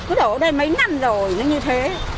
cứ đổ ở đây mấy năm rồi nó như thế